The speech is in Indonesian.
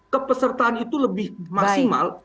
kepesertaan itu lebih maksimal